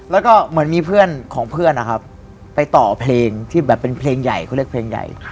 แล้วก็เหมือนมีของเพื่อนไปต่อเพลงที่เป็นเพลงใหญ่เขาเรียกเพลงใหญ่